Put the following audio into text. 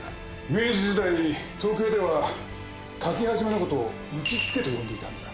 明治時代に東京では書き始めのことを「打ちつけ」と呼んでいたんだ。